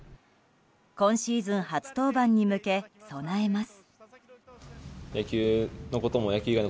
今シーズン初登板に向け備えます。